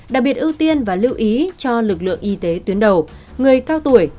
đặc biệt ưu tiên và lưu ý cho lực lượng y tế tuyến đầu người cao tuổi